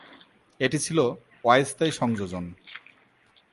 এটি ছিল অস্থায়ী সংযোজন।